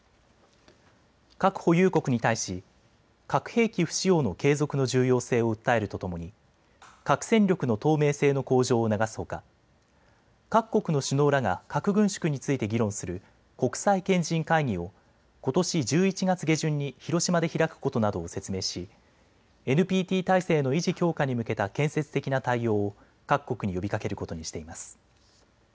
核保有国に対し核兵器不使用の継続の重要性を訴えるとともに核戦力の透明性の向上を促すほか各国の首脳らが核軍縮について議論する国際賢人会議をことし１１月下旬に広島で開くことなどを説明しＮＰＴ体制の維持・強化に向けた建設的な対応を各国に呼びかけることにしています。